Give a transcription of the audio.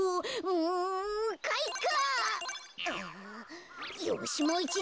うんかいか！